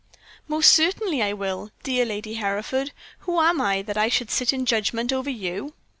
"Most certainly I will, dear Lady Hereford. Who am I, that I should sit in judgment over you?"